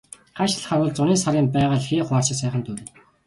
Хаашаа л харвал зуны сарын байгаль хээ хуар шиг сайхан дурайна.